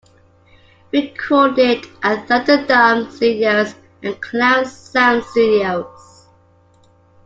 Recorded at Thunderdome Studios and Clown Sound Studios.